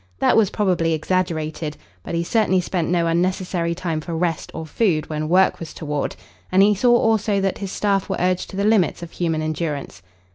That was probably exaggerated, but he certainly spent no unnecessary time for rest or food when work was toward and he saw also that his staff were urged to the limits of human endurance.